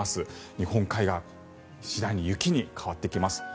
日本海側次第に雪に変わってきます。